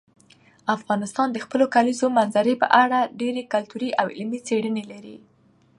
افغانستان د خپلو کلیزو منظره په اړه ډېرې ګټورې او علمي څېړنې لري.